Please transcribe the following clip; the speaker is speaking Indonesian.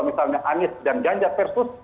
misalnya anies dan ganjar versus